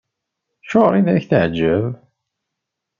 Acuɣeṛ i ak-teɛǧeb?